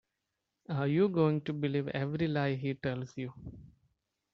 Are you going to believe every lie he tells you?